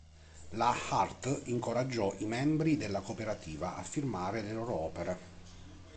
La Hart incoraggiò i membri della cooperativa a firmare le loro opere.